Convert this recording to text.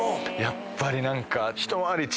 やっぱり何か。